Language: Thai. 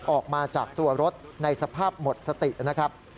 ออกมาจากตัวรถในสภาพหมดสตินะครับ